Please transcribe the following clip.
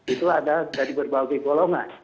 itu ada dari berbagai golongan